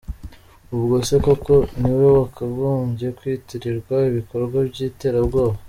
Ubwo se koko niwe wakagombye kwitirirwa ibikorwa by’ iterabwoba?